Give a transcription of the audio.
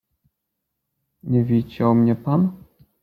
Nie widział mnie pan?